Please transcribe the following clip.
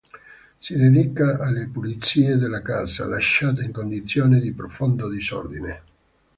Si dedica alle pulizie della casa, lasciata in condizioni di profondo disordine.